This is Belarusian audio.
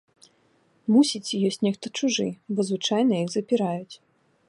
Мусіць, ёсць нехта чужы, бо звычайна іх запіраюць.